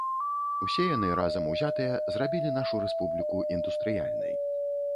Усе яны, разам узятыя, зрабілі нашу рэспубліку індустрыяльнай.